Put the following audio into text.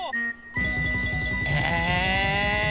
へえ！